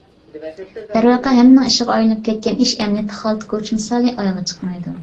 دەرۋەقە ھەممىنىڭ ئىشىغا ئايلىنىپ كەتكەن ئىش ئەمەلىيەتتە خالتا كوچا مىسالى ئايىغى چىقمايدۇ.